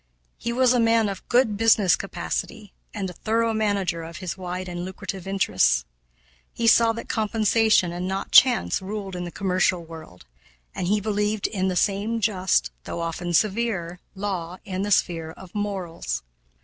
He was a man of good business capacity, and a thorough manager of his wide and lucrative interests. He saw that compensation and not chance ruled in the commercial world, and he believed in the same just, though often severe, law in the sphere of morals.